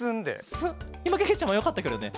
いまけけちゃまよかったケロね。